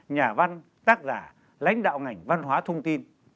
nhà văn tác giả lãnh đạo ngành văn hóa thông tin